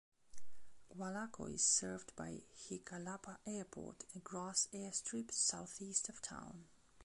Gualaco is served by Jicalapa Airport, a grass airstrip southeast of town.